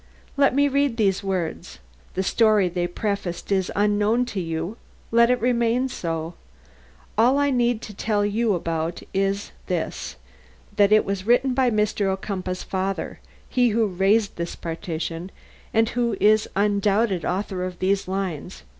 Let me read these words. The story they prefaced is unknown to you; let it remain so; all I need to tell you about it is this: that it was written by Mr. Ocumpaugh's father he who raised this partition and who is the undoubted author of these lines.